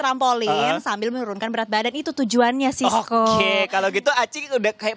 trampolin sambil menurunkan berat badan itu tujuannya sih oke kalau gitu aci udah kayak